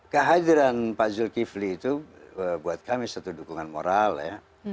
kehadiran pak zulkifli itu buat kami satu dukungan moral ya